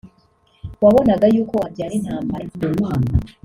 wabonaga yuko wabyara intambara